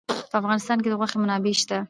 په افغانستان کې د غوښې منابع شته.